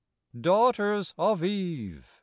JWAUGHTERS of Eve !